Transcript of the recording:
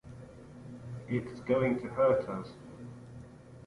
It's going to hurt us.